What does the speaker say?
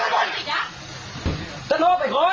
ก็ยังออกไปก่อน